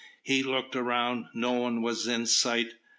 He looked round; no one was in sight.